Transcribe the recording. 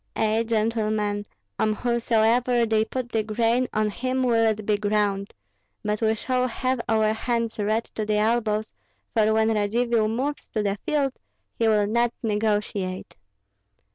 Ei, gentlemen, on whomsoever they put the grain, on him will it be ground; but we shall have our hands red to the elbows, for when Radzivill moves to the field, he will not negotiate."